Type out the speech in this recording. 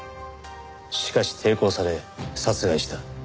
しかし抵抗され殺害した。